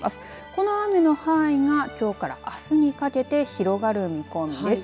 この雨の範囲がきょうからあすにかけて広がる見込みです。